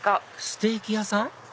ステーキ屋さん？